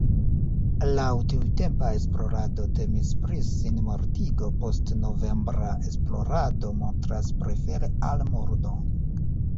Laŭ tiutempa esplorado temis pri sinmortigo, postnovembra esplorado montras prefere al murdo.